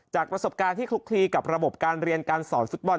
ประสบการณ์ที่คลุกคลีกับระบบการเรียนการสอนฟุตบอล